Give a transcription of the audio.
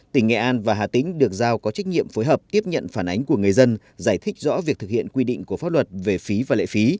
tỉnh nghệ an và hà tĩnh được giao có trách nhiệm phối hợp tiếp nhận phản ánh của người dân giải thích rõ việc thực hiện quy định của pháp luật về phí và lệ phí